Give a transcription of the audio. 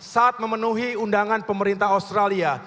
saat memenuhi undangan pemerintah australia